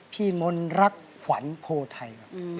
พี่มนต์รักขวัญโพทัย